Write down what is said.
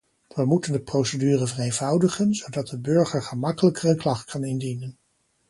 We moeten de procedure vereenvoudigen, zodat de burger gemakkelijker een klacht kan indienen.